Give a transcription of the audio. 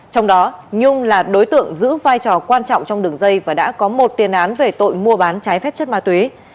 trong đó nhung là đối tượng giữ vai trò quan trọng trong đường dây và đã có một tiền án về tội mua bán trái phép chất ma túy